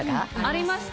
ありました。